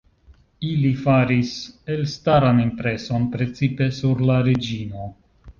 Ili faris elstaran impreson, precipe sur la reĝino.